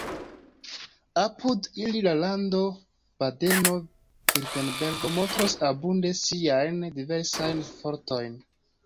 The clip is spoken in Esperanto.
Apud ili la lando Badeno-Virtenbergo montros abunde siajn diversajn fortojn.